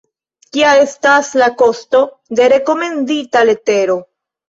Kia estas la kosto de rekomendita letero?